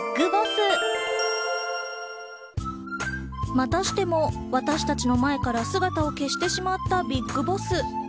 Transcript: またしても私たちの前から姿を消してしまったＢＩＧＢＯＳＳ。